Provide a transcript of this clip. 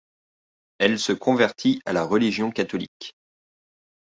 Elle se convertit à la religion catholique.